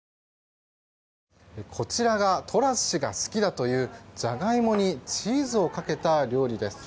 こちらがトラス氏が好きだというジャガイモにチーズをかけた料理です。